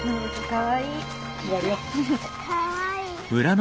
かわいい。